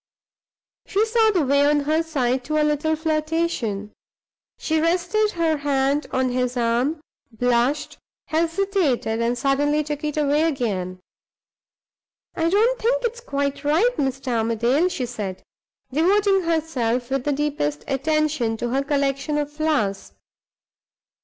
She saw the way, on her side, to a little flirtation. She rested her hand on his arm, blushed, hesitated, and suddenly took it away again. "I don't think it's quite right, Mr. Armadale," she said, devoting herself with the deepest attention to her collection of flowers.